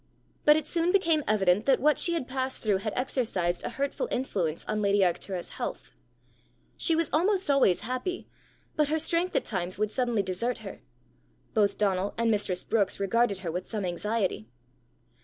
But it soon became evident that what she had passed through had exercised a hurtful influence on lady Arctura's health. She was almost always happy, but her strength at times would suddenly desert her. Both Donal and mistress Brookes regarded her with some anxiety.